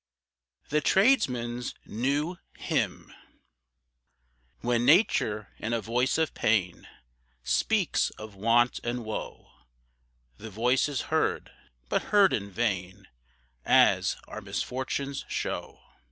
THE TRADESMAN'S NEW HYMN. When Nature in a voice of pain, Speaks of want and woe, The voice is heard but heard in vain, As our misfortunes show.